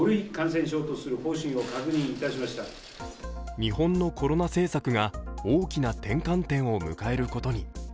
日本のコロナ政策が大きな転換点を向かれることに。